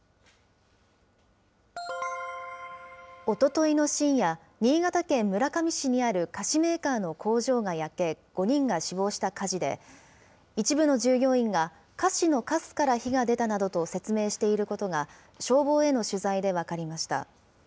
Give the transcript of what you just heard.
おとといの深夜、新潟県村上市にある菓子メーカーの工場が焼け、５人が死亡した火事で、一部の従業員が、菓子のかすから火が出たなどと説明していることが、消防への取材で分かりました。